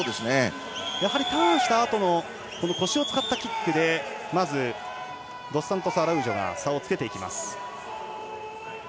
ターンしたあとの腰を使ったキックでドスサントスアラウージョが差をつけていきます。